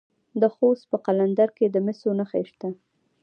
د خوست په قلندر کې د مسو نښې شته.